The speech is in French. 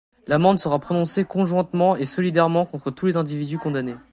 L'amende sera prononcée conjointement et solidairement contre tous les individus condamnés.